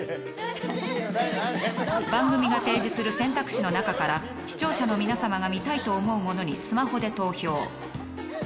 番組が提示する選択肢の中から視聴者の皆さまが見たいと思うものにスマホで投票。